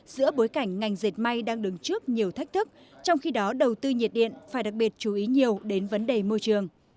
giữa bối cảnh ngành dệt may đang đứng trước nhiều thách thức trong khi đó đầu tư nhiệt điện phải đặc biệt chú ý nhiều đến vấn đề môi trường